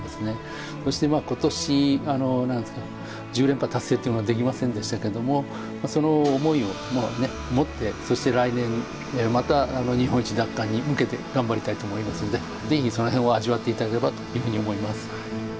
そして今年１０連覇達成っていうのはできませんでしたけれどもその思いを持ってそして来年また日本一奪還に向けて頑張りたいと思いますので是非その辺を味わっていただければというふうに思います。